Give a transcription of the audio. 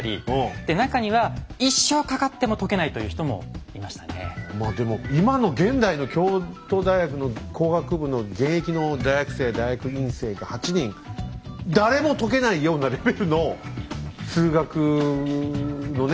で中にはまあでも今の現代の京都大学の工学部の現役の大学生大学院生が８人誰も解けないようなレベルの数学のね